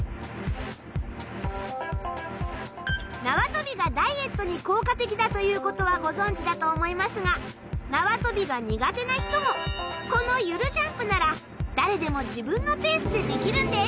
縄跳びがダイエットに効果的だということはご存じだと思いますが縄跳びが苦手な人もこのゆるジャンプなら誰でも自分のペースでできるんです。